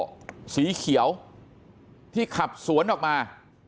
รถเก่งริโยสีเขียวที่ขับสวนออกมา